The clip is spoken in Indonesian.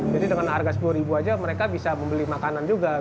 jadi dengan harga rp sepuluh saja mereka bisa membeli makanan juga